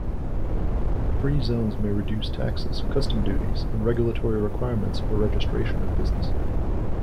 Free zones may reduce taxes, customs duties, and regulatory requirements for registration of business.